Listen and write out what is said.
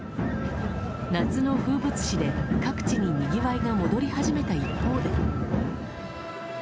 夏の風物詩で各地ににぎわいが戻り始めた一方で。